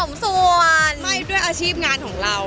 ไม่ด้วยอาชีพงานของเรา